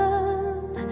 harus dia nanti nangis